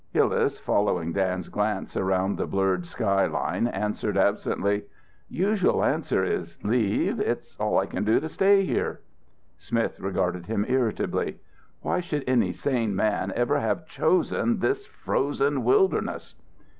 Hillas, following Dan's glance around the blurred sky line, answered absently, "Usual answer is 'Leave? It's all I can do to stay here.'" Smith regarded him irritably. "Why should any sane man ever have chosen this frozen wilderness?"